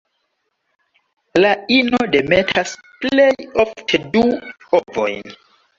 La ino demetas plej ofte du ovojn.